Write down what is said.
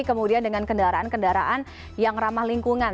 kemudian dengan kendaraan kendaraan yang ramah lingkungan